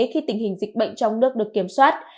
khi tình hình dịch bệnh trong nước được kiểm soát